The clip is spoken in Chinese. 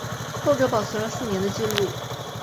后者保持了四年的纪录。